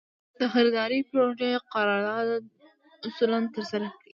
د خریدارۍ پروژې قرارداد اصولاً ترسره کړي.